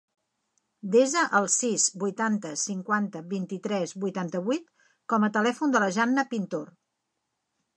Desa el sis, vuitanta, cinquanta, vint-i-tres, vuitanta-vuit com a telèfon de la Gianna Pintor.